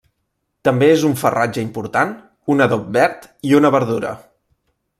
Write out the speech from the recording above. També és un farratge important, un adob verd i una verdura.